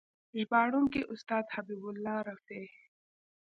ژباړونکی: استاد حبیب الله رفیع